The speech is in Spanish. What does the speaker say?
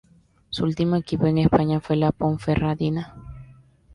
Su último equipo en España fue la Ponferradina.